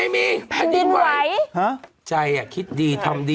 มีใครอยู่ในรถหรือเปล่า